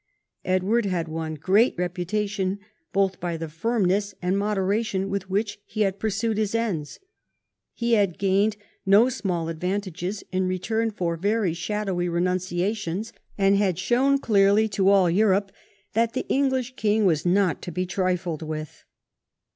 Edward had won great reputation both by the firmness and moderation with which he had pursued his ends. He had gained no small advantages in return for very shadowy renunciations, and had shown clearly to all Europe that the English king was not to be trifled with.